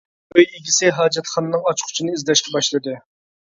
ئۆي ئىگىسى ھاجەتخانىنىڭ ئاچقۇچىنى ئىزدەشكە باشلىدى.